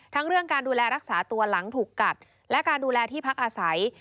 เรื่องการดูแลรักษาตัวหลังถูกกัดและการดูแลที่พักอาศัย